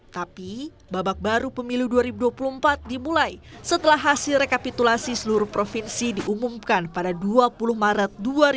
tapi babak baru pemilu dua ribu dua puluh empat dimulai setelah hasil rekapitulasi seluruh provinsi diumumkan pada dua puluh maret dua ribu dua puluh